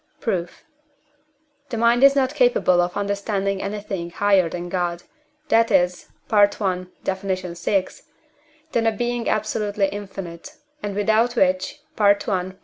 Proof. The mind is not capable of understanding anything higher than God, that is (I. Def. vi.), than a Being absolutely infinite, and without which (I.